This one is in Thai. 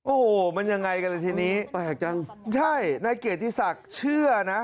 โอ้โหมันยังไงกันเลยทีนี้แปลกจังใช่นายเกียรติศักดิ์เชื่อนะ